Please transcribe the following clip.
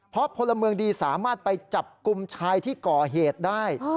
เพราะพลเมืองดีสามารถไปจับกลุ่มชายที่ก่อเหตุได้